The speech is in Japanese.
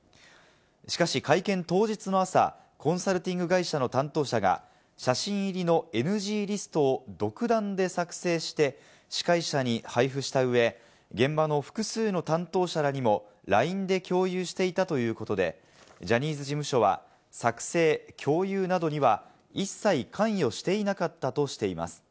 しかし会見当日の朝、コンサルティング会社の担当者が写真入りのＮＧリストを独断で作成して、司会者に配布した上、現場の複数の担当者にもＬＩＮＥで共有していたということで、ジャニーズ事務所は作成・共有などには、一切関与していなかったとしています。